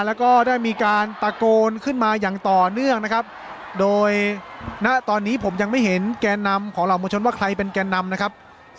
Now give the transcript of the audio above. แล้วก็ได้มีการตะโกนขึ้นมาอย่างต่อเนื่องนะครับโดยณตอนนี้ผมยังไม่เห็นแกนนำของเหล่ามวลชนว่าใครเป็นแกนนำนะครับ